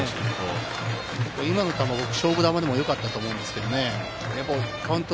今の球、僕は勝負球でもよかったと思いますけれどもね。